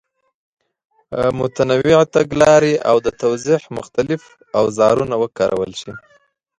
متنوع تګلارې او د توضیح مختلف اوزارونه وکارول شي.